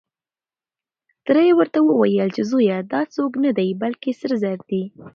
تره يې ورته وويل چې زويه دا څوک نه دی، بلکې سره زر دي.